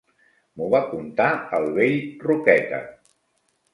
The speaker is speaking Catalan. M'ho va contar el vell Roqueta.